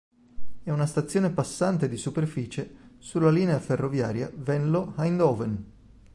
È una stazione passante di superficie sulla linea ferroviaria Venlo-Eindhoven.